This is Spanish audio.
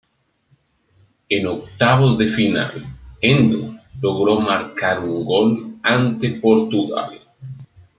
En octavos de final Endo logró marcar un gol ante Portugal.